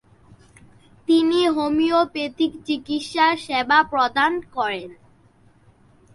তিনি হোমিওপ্যাথি চিকিৎসা সেবা প্রদান করতেন।